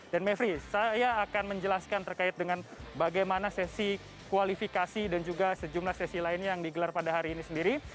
dan mevry saya akan menjelaskan terkait dengan bagaimana sesi kualifikasi dan juga sejumlah sesi lainnya yang digelar pada hari ini sendiri